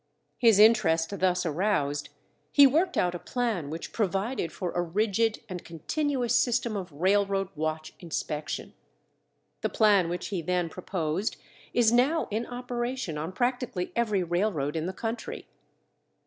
His interest thus aroused, he worked out a plan which provided for a rigid and continuous system of railroad watch inspection. The plan which he then proposed is now in operation on practically every railroad in the country.